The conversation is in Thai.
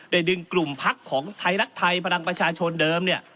ได้ดึงกลุ่มภักดิ์ของไทยรักไทยพลังประชาชนเดิม